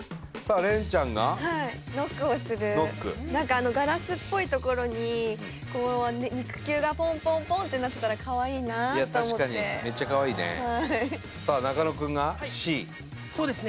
恋ちゃんがノックはいノックをする何かガラスっぽいところに肉球がポンポンポンってなってたらかわいいなあと思っていや確かにめっちゃかわいいねさあ中野くんがＣそうですね